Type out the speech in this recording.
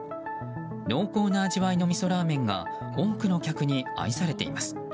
濃厚な味わいの、みそラーメンが多くの客に愛されています。